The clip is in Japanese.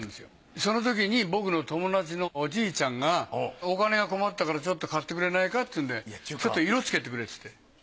そのときに僕の友達のおじいちゃんがお金が困ったからちょっと買ってくれないかっていうんでちょっと色付けてくれっつって。